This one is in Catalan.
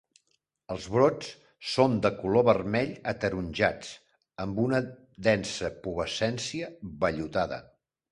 Els brots són de color vermell ataronjat amb una densa pubescència vellutada.